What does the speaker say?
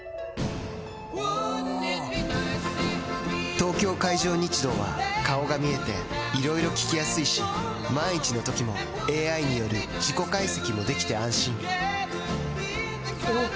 東京海上日動は顔が見えていろいろ聞きやすいし万一のときもＡＩによる事故解析もできて安心おぉ！